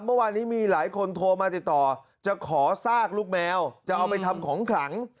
เมื่อวานนี้มีหลายคนโทรมาติดต่อจะขอซากลูกแมวจะเอาไปทำของขลัง